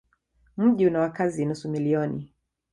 Mji una wakazi nusu milioni.